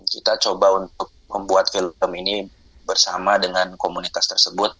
kita coba untuk membuat film ini bersama dengan komunitas tersebut